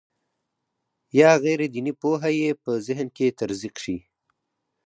یا غیر دیني پوهه یې په ذهن کې تزریق شي.